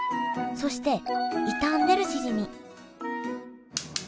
そして傷んでるしじみ